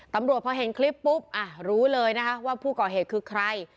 ตำรวจพอเห็นคลิปปุ๊บรู้เลยนะคะว่าผู้ก่อเหตุคือใคร